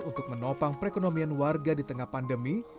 untuk menopang perekonomian warga di tengah pandemi